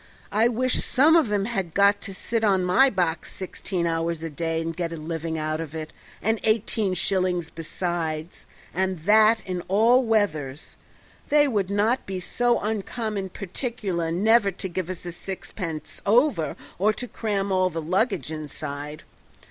I wish some of 'em had got to sit on my box sixteen hours a day and get a living out of it and eighteen shillings beside, and that in all weathers; they would not be so uncommon particular never to give us a sixpence over or to cram all the luggage inside.